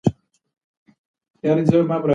افغان محصلان د روسي ژبو ادبیات زده کوي.